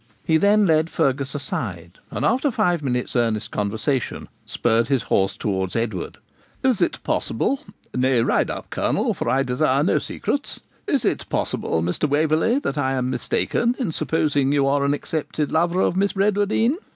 He then led Fergus aside, and, after five minutes' earnest conversation, spurred his horse towards Edward. 'Is it possible nay, ride up, Colonel, for I desire no secrets is it possible, Mr. Waverley, that I am mistaken in supposing that you are an accepted lover of Miss Bradwardine?